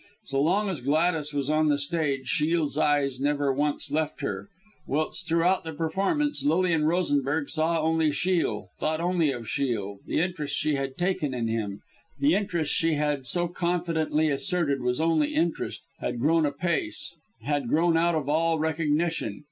So long as Gladys was on the stage Shiel's eyes never once left her; whilst throughout the performance Lilian Rosenberg saw only Shiel, thought only of Shiel. The interest she had taken in him, the interest she had so confidently asserted was only interest, had grown apace had grown out of all recognition.